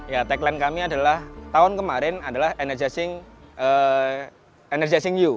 ya tagline kami adalah tahun kemarin adalah energizing you